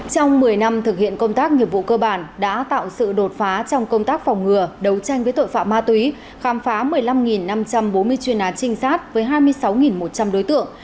trong một mươi năm thực hiện công tác nghiệp vụ cơ bản đã tạo sự đột phá trong công tác phòng ngừa đấu tranh với tội phạm ma túy khám phá một mươi năm năm trăm bốn mươi chuyên án trinh sát với hai mươi sáu một trăm linh đối tượng